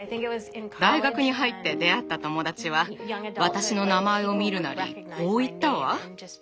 大学に入って出会った友達は私の名前を見るなりこう言ったわ。